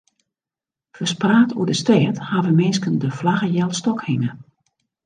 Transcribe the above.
Ferspraat oer de stêd hawwe minsken de flagge healstôk hinge.